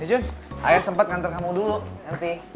ya jun ayah sempet nantang kamu dulu nanti ya